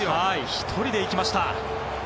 １人で行きました。